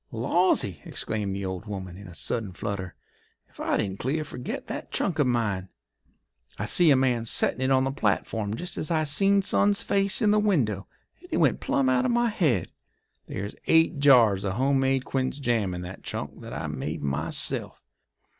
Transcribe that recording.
'" "Lawsy!" exclaimed the old woman, in a sudden flutter, "ef I didn't clear forget that trunk of mine! I see a man settin' it on the platform jest as I seen son's face in the window, and it went plum out of my head. There's eight jars of home made quince jam in that trunk that I made myself.